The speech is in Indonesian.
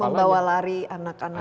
yang membawa lari anak anaknya